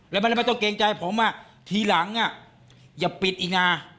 แล้วมันไม่ต้องเกรงใจผมอ่ะทีหลังอ่ะอย่าปิดอีนา